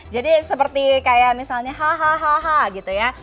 jadi seperti kayak misalnya ha ha ha ha gitu ya